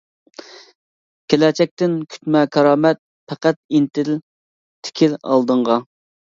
كېلەچەكتىن كۈتمە كارامەت، پەقەت ئىنتىل، تىكىل ئالدىڭغا.